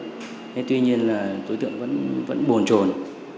thế tuy nhiên là đối tượng vẫn buồn trồn